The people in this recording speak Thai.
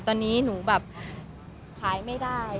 ตอนนี้หนูเผยไม่ได้